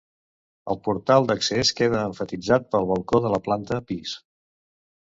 El portal d'accés queda emfasitzat pel balcó de la planta pis.